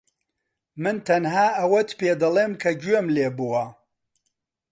من تەنها ئەوەت پێدەڵێم کە گوێم لێ بووە.